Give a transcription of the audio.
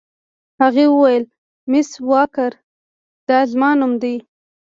هغې وویل: مس واکر، دا زما نوم دی.